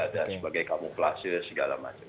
dan sebagai kamuflase segala macam